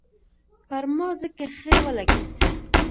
پر ما ځکه ښه ولګېد.